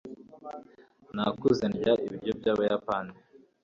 Nakuze ndya ibiryo byabayapani.